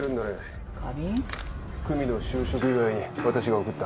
久実の就職祝いに私が贈った。